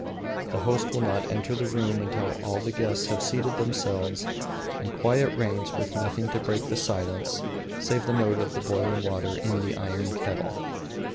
The host will not enter the room until all the guests have seated themselves and quiet reigns with nothing to break the silence save the note of the boiling water in the iron kettle.